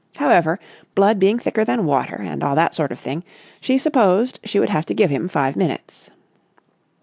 However, blood being thicker than water, and all that sort of thing, she supposed she would have to give him five minutes.